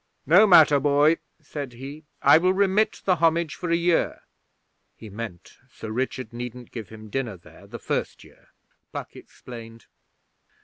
"No matter, boy," said he. "I will remit the homage for a year."' 'He meant Sir Richard needn't give him dinner there the first year,' Puck explained.